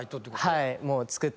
はい。